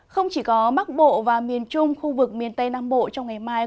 không chỉ có bắc bộ và miền trung khu vực miền tây nam bộ trong ngày mai